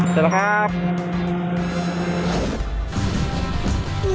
เสร็จแล้วครับ